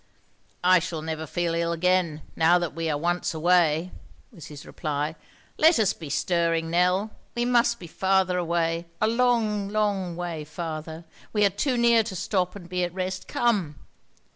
"I shall never feel ill again, now that we are once away," was his reply. "Let us be stirring, Nell. We must be farther away—a long, long way farther. We are too near to stop and be at rest. Come."